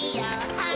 はい。